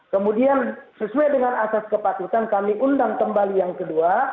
kemudian sesuai dengan asas kepatutan kami undang kembali yang kedua